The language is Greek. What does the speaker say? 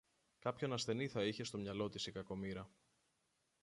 Κάποιον ασθενή θα είχε στο μυαλό της η κακομοίρα